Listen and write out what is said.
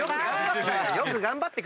よく頑張ってくれた。